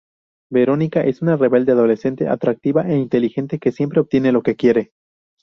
Verónica es una rebelde adolescente, atractiva e inteligente, que siempre obtiene lo que quiere.